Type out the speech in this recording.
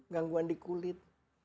gangguan di kulit